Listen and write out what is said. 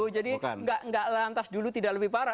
jadi gak lantas dulu tidak lebih parah